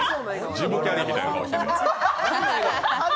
ジム・キャリーみたいな顔してる。